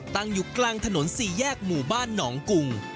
ตั้งอยู่กลางถนน๔แยกวาดนองกุง